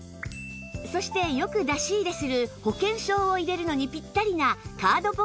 そしてよく出し入れする保険証を入れるのにぴったりなカードポケットが１つ